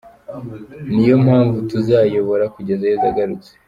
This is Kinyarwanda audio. Niyo mpamvu tuzayobora kugeza Yesu agarutse.